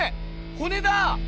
骨だ！